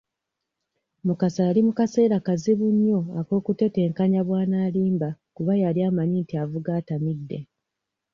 Mukasa yali mu kaseera kazibu nnyo ak'okutetenkanya by'anaalimba kuba yali amanyi nti avuga atamidde.